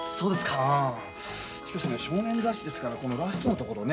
しかしね少年雑誌ですからこのラストのところね